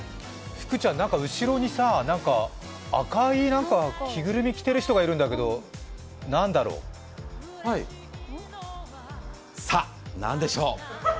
福ちゃん、後ろに赤い着ぐるみを着ている人がいるんだけれど、なんだろう？さあ、何でしょう？